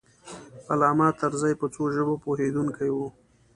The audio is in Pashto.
علامه طرزی په څو ژبو پوهېدونکی و.